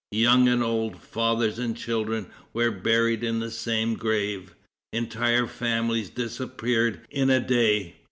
Young and old, fathers and children, were buried in the same grave. Entire families disappeared in a day.